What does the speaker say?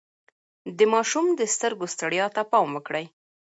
د ماشوم د سترګو ستړيا ته پام وکړئ.